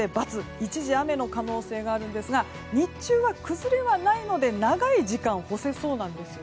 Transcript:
一時雨の可能性がありますが日中は崩れはないので長い時間、干せそうです。